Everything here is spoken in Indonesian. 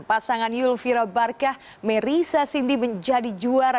pasangan yulvira barkah merissa sindi menjadi juara